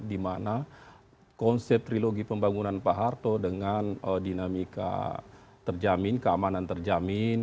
dimana konsep trilogi pembangunan pak harto dengan dinamika terjamin keamanan terjamin